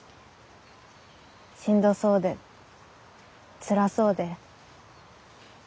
しんどそうでつらそうで。